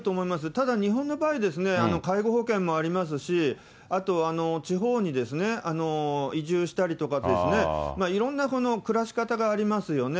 ただ日本の場合、介護保険もありますし、あと地方に移住したりとかですね、いろんな暮らし方がありますよね。